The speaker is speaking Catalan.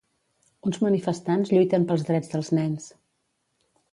Uns manifestants lluiten pels drets dels nens.